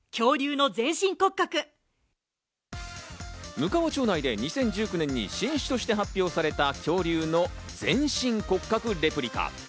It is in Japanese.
むかわ町内で２０１９年に新種として発表された恐竜の全身骨格レプリカ。